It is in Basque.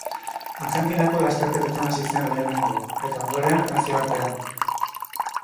Argentinako lasterketetan hasi zen lehenengo, eta ondoren, nazioartean.